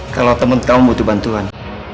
kalau teman kamu butuh bantuan